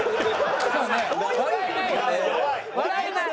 笑えないよ。